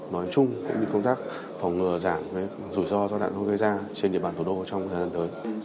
nói chung cũng như công tác phòng ngừa giảm rủi ro do tận không gây ra trên địa bàn tổ đô trong thời gian tới